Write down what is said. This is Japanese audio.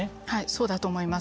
そうだと思います。